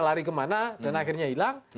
lari kemana dan akhirnya hilang